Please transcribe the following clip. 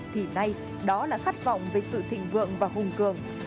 thì nay đó là khát vọng về sự thịnh vượng và hùng cường